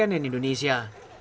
tim liputan cnn indonesia